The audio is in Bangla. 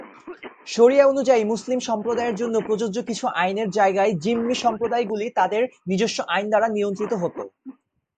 শরিয়া অনুযায়ী মুসলিম সম্প্রদায়ের জন্য প্রযোজ্য কিছু আইনের জায়গায় জিম্মি সম্প্রদায়গুলি তাদের নিজস্ব আইন দ্বারা নিয়ন্ত্রিত হত।